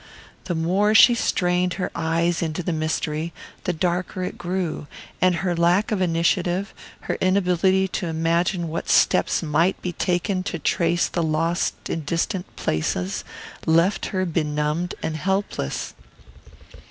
The more she strained her eyes into the mystery, the darker it grew; and her lack of initiative, her inability to imagine what steps might be taken to trace the lost in distant places, left her benumbed and helpless.